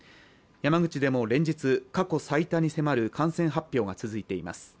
山口でも連日、過去最多に迫る感染発表が続いています。